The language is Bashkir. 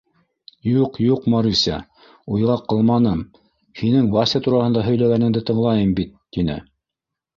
— Юҡ, юҡ, Маруся, уйға ҡалманым. Һинең Вася тураһында һөйләгәнеңде тыңлайым бит, — тине.